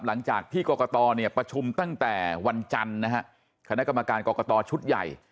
หลังจากที่กรกตเนี่ยประชุมตั้งแต่วันจันทร์นะฮะคณะกรรมการกรกตชุดใหญ่